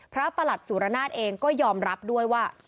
ประหลัดสุรนาศเองก็ยอมรับด้วยว่า